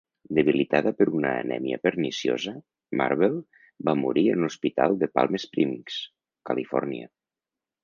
Debilitada per una anèmia perniciosa, Marble va morir en un hospital de Palm Springs, Califòrnia.